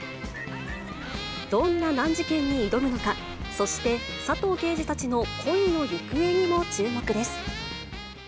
どんな難事件に挑むのか、そして佐藤刑事たちの恋の行方にも注目です。